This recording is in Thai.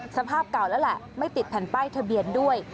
สภาพเก่าแล้วแหละไม่ติดแผ่นป้ายทะเบียนด้วย